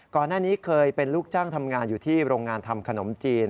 ก่อนหน้านี้เคยเป็นลูกจ้างทำงานอยู่ที่โรงงานทำขนมจีน